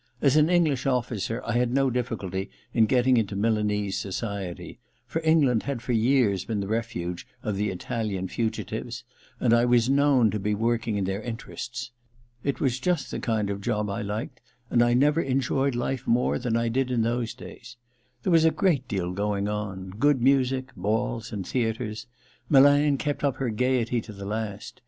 As an English officer I had no difficulty in getting into Milanese society, for England had for years been the refuge of the Italian fugitives, and I was known to be working in their in terests. It was just the kind of job I liked, and I never enjoyed life more than I did in those days. There was a great deal going on — good music, balls and theatres. Milan kept up her gaiety to the last.